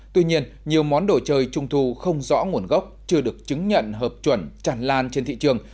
tuy nhiên nhiều món đồ chơi trung thu không rõ nguồn gốc chưa được chứng nhận hợp chuẩn tràn lan trên thị trường